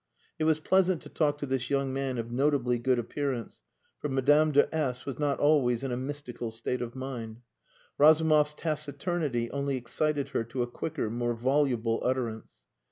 It was pleasant to talk to this young man of notably good appearance for Madame de S was not always in a mystical state of mind. Razumov's taciturnity only excited her to a quicker, more voluble utterance.